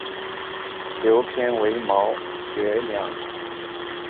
牛扁为毛茛科乌头属下的一个变种。